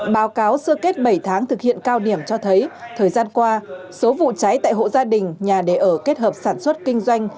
báo cáo sơ kết bảy tháng thực hiện cao điểm cho thấy thời gian qua số vụ cháy tại hộ gia đình nhà đề ở kết hợp sản xuất kinh doanh